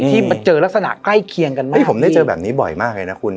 มาเจอลักษณะใกล้เคียงกันมากนี่ผมได้เจอแบบนี้บ่อยมากเลยนะคุณ